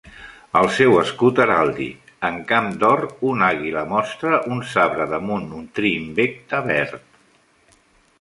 El seu escut heràldic "En camp d'or, una àguila mostra un sabre damunt un tri-invecte verd".